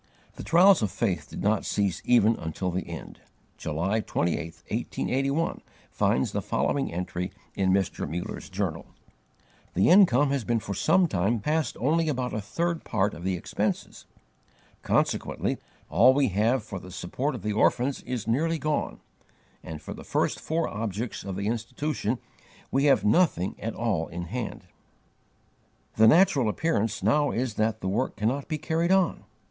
The trials of faith did not cease even until the end. July 28, 1881, finds the following entry in Mr. Muller's journal: "The income has been for some time past only about a third part of the expenses. Consequently all we have for the support of the orphans is nearly gone; and for the first four objects of the Institution we have nothing at all in hand. The natural appearance now is that the work cannot be carried on.